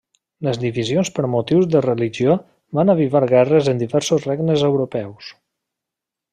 Les divisions per motius de religió va avivar guerres en diversos regnes europeus.